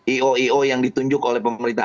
io o yang ditunjuk oleh pemerintah